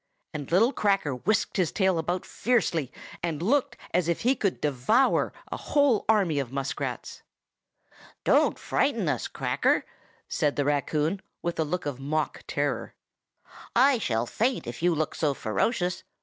and little Cracker whisked his tail about fiercely, and looked as if he could devour a whole army of muskrats. "Don't frighten us, Cracker!" said the raccoon, with a look of mock terror. "I shall faint if you look so ferocious.